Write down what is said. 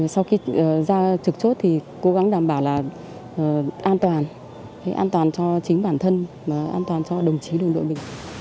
sau khi ra trực chốt thì cố gắng đảm bảo là an toàn an toàn cho chính bản thân an toàn cho đồng chí đồng đội mình